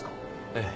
ええ。